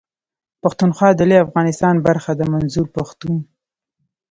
پښتونخوا د لوی افغانستان برخه ده منظور پښتون.